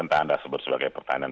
entah anda sebut sebagai pertanyaan